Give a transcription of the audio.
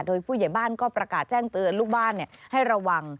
โดยผู้ใหญ่บ้านก็ประกาศแจ้งเตือนลูกบ้านให้ระวัง